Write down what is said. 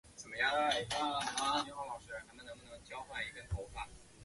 德国人在犹太人众多的维尔纽斯旧城中心地区建立了两个犹太人隔离区。